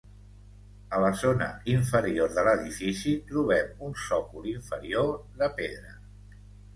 A la zona inferior de l'edifici trobem un sòcol inferior de pedra.